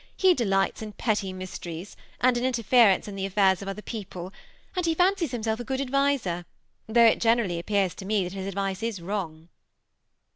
He delights in petty mysteries, and in interference in the affiurs of other people ; and he fancies himself a good adviser, though it generally appears to me that his advice is wrong."